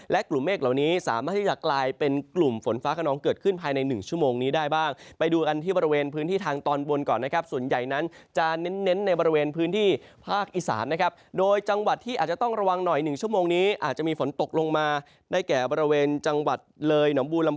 และกลุ่มเมฆเหล่านี้สามารถที่จะกลายเป็นกลุ่มฝนฟ้าขนองเกิดขึ้นภายใน๑ชั่วโมงนี้ได้บ้างไปดูกันที่บริเวณพื้นที่ทางตอนบนก่อนนะครับส่วนใหญ่นั้นจะเน้นในบริเวณพื้นที่ภาคอีสานนะครับโดยจังหวัดที่อาจจะต้องระวังหน่อย๑ชั่วโมงนี้อาจจะมีฝนตกลงมาได้แก่บริเวณจังหวัดเลยหนองบูลำ